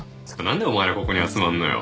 んでお前らここに集まんのよ？